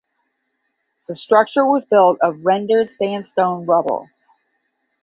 The structure was built of rendered sandstone rubble.